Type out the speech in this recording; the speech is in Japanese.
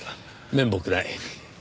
面目ない。